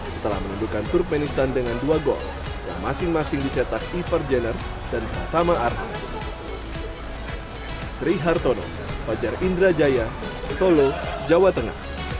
setelah menundukkan turkmenistan dengan dua gol yang masing masing dicetak ever jenner dan pratama arhan